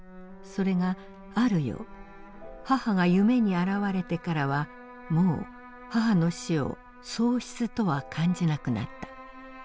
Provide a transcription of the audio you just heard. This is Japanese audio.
それがある夜母が夢に現れてからはもう母の死を喪失とは感じなくなった。